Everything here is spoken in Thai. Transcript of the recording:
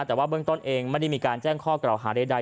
แต่ว่าเบื้องต้นเองไม่ได้มีการแจ้งข้อกล่าวหาใด